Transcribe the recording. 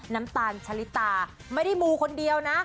น้ำตาลชะลิตาไม่ได้มูคนเดียวนะ